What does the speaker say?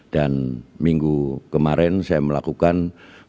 dan minggu kemarin saya melakukan penyelenggaraan